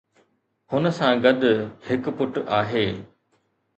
هن سان گڏ هڪ پٽ آهي.